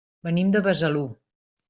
Venim de Besalú.